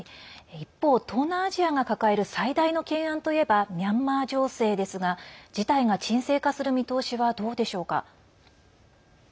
一方、東南アジアが抱える最大の懸案といえばミャンマー情勢ですが事態が鎮静化する見通しはどうでしょうか。